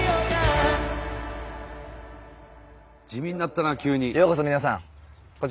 地味になったな急に。